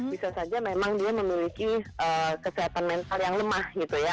bisa saja memang dia memiliki kesehatan mental yang lemah gitu ya